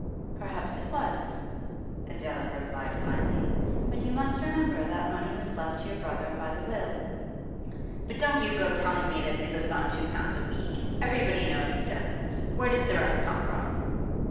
'Perhaps it was,' Adela replied kindly. 'But you must remember that money was left to your brother by the will.' 'But you don't go telling me that he lives on two pounds a week? Everybody knows he doesn't. Where does the rest come from?